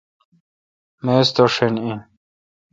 میز تو ݭن این۔